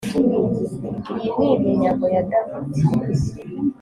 iyi ni iminyago ya Dawidi